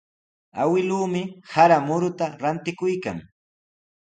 Awkilluumi sara mututa rantikuykan.